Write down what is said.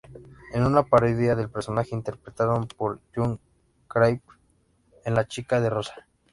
Es una parodia del personaje interpretado por Jon Cryer en "La chica de rosa".